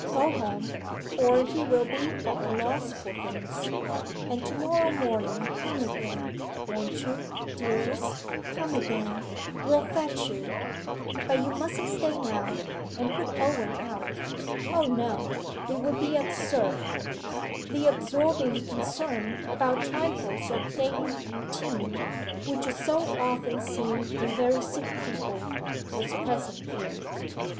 Go home, or he will be at a loss for things. And to morrow morning come again, won't you, dearest, come again we'll fetch you. But you mustn't stay now, and put Owen out. O no it would be absurd.' The absorbing concern about trifles of daily routine, which is so often seen in very sick people, was present here.